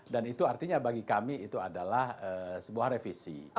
dan itu artinya bagi kami itu adalah sebuah revisi